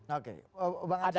oke bang aci